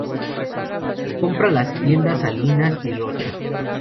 Compra Las tiendas Salinas y Rocha..